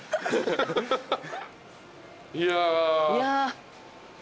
いや。